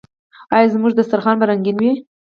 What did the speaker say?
آیا زموږ دسترخان به رنګین وي؟